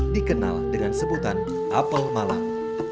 dikenal dengan sebutan apel malam